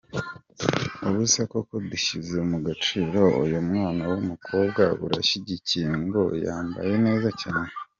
Ubuse koko dushyize mugaciro uyu mwana w’ umukobwa urashyigikiye ngo " yambaye neza cyane" ?.